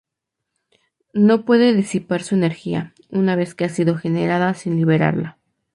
No puede disipar su energía, una vez que ha sido generada sin liberarla.